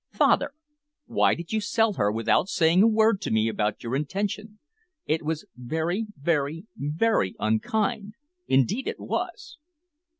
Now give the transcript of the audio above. "Father, why did you sell her without saying a word to me about your intention? It was very, very, very unkind indeed it was."